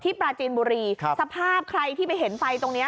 ปราจีนบุรีสภาพใครที่ไปเห็นไฟตรงนี้